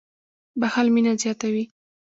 • بښل مینه زیاتوي.